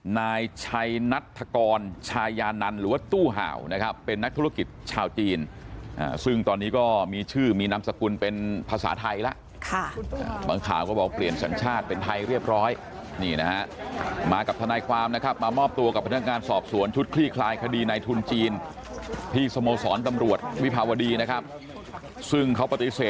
นายชัยนัฐกรชายานันหรือว่าตู้เห่านะครับเป็นนักธุรกิจชาวจีนซึ่งตอนนี้ก็มีชื่อมีนามสกุลเป็นภาษาไทยแล้วบางข่าวก็บอกเปลี่ยนสัญชาติเป็นไทยเรียบร้อยนี่นะฮะมากับทนายความนะครับมามอบตัวกับพนักงานสอบสวนชุดคลี่คลายคดีในทุนจีนที่สโมสรตำรวจวิภาวดีนะครับซึ่งเขาปฏิเสธ